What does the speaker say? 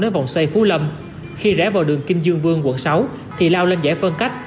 đến vòng xoay phú lâm khi rẽ vào đường kim dương vương quận sáu thì lao lên giải phân cách